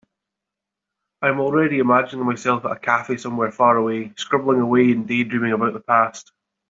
I am already imagining myself at a cafe somewhere far away, scribbling away and daydreaming about the past.